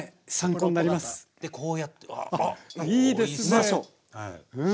うまそう。